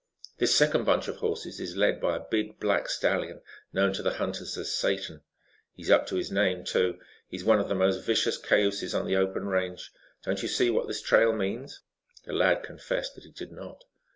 "This second bunch of horses is led by a big black stallion known to the hunters as Satan. He's up to his name too. He's one of the most vicious cayuses on the open range. Don't you see what this trail means?" The lad confessed that he did not.